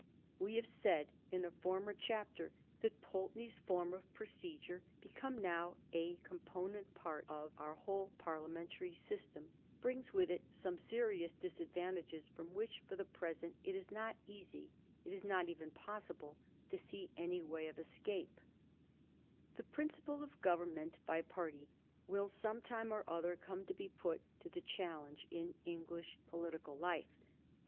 We have said in a former chapter that Pulteney's form of procedure, become now a component part of Digiti zed by Google 374 A HISTORY OF THE FOUB GEORGES, oh. xix. our whole Parliamentary system, brings with it some serious disadvantages firom which, for the present, it is not easy, it is not even possible, to see any way of escape. The principle of government by party will some time or other come to be put to the challenge in English political life.